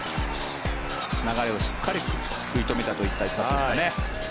流れをしっかり食い止めたといった感じですね。